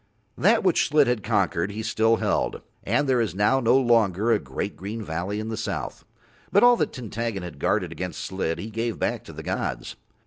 That which Slid had conquered he still held, and there is now no longer a great green valley in the south, but all that Tintaggon had guarded against Slid he gave back to the gods.